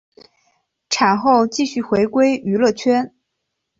产后继续回归娱乐圈。